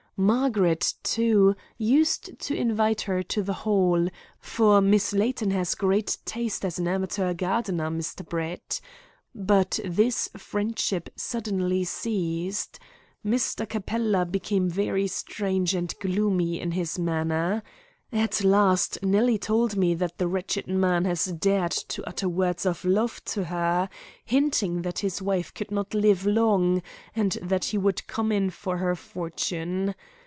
Margaret, too, used to invite her to the Hall, for Miss Layton has great taste as an amateur gardener, Mr. Brett. But this friendship suddenly ceased. Mr. Capella became very strange and gloomy in his manner. At last Nellie told me that the wretched man had dared to utter words of love to her, hinting that his wife could not live long, and that he would come in for her fortune.